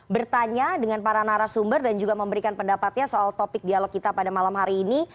bertanya dengan para narasumber dan juga memberikan pendapatnya soal topik dialog kita pada malam hari ini